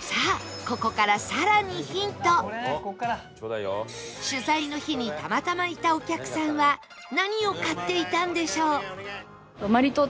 さあここから取材の日にたまたまいたお客さんは何を買っていたんでしょう？